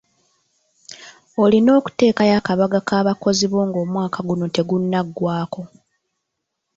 Olina okuteekayo akabaga k'abakozi bo ng'omwaka guno tegunnagwako.